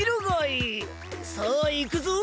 さあいくぞ！